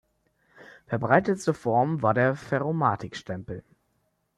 Verbreitetste Form war der Ferromatik-Stempel.